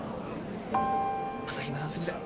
朝日奈さんすいません。